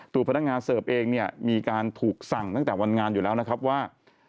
ตัวพนักงานเสิร์ฟเองเนี่ยมีการถูกสั่งตั้งแต่วันงานอยู่แล้วนะครับว่า